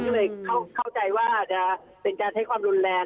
ก็เลยเข้าใจว่าจะเป็นการใช้ความรุนแรง